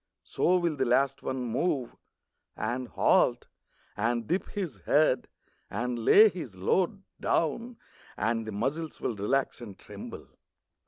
So will the last one move, And halt, and dip his head, and lay his load Down, and the muscles will relax and tremble.